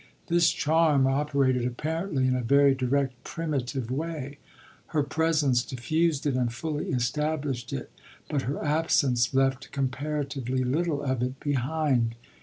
This charm operated apparently in a very direct, primitive way: her presence diffused it and fully established it, but her absence left comparatively little of it behind.